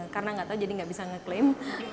karena gak tahu jadi gak bisa nge claim